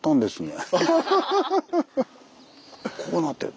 こうなってる。